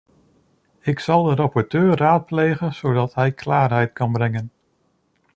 Ik zal de rapporteur raadplegen zodat hij klaarheid kan brengen.